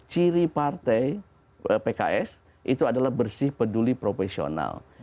ciri partai pks itu adalah bersih peduli profesional